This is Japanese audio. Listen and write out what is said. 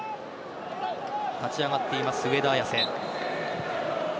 立ち上がっています、上田綺世。